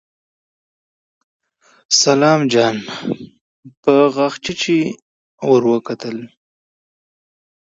سلام جان په غاښچيچي ور وکتل.